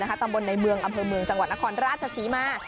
ตำบลในเมืองอำเภอเมืองจังหวัดนครราชศรีมา